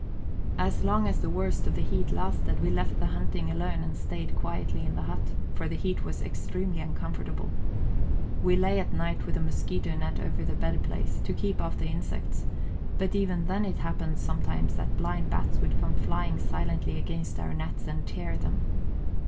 As long as the worst of the heat lasted, we left the hunting alone and stayed quietly in the hut, for the heat was extremely uncomfortable. We lay at night with a mosquito net over the bedplace, to keep off the insects; but even then it happened sometimes that blind bats would come flying silently against our nets and tear them.